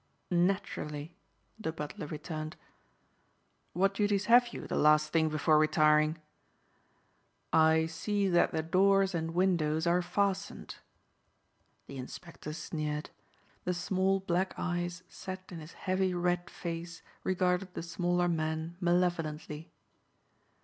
"Naturally," the butler returned. "What duties have you the last thing before retiring?" "I see that the doors and windows are fastened." The inspector sneered. The small black eyes set in his heavy red face regarded the smaller man malevolently.